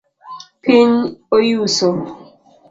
Piny oyuso.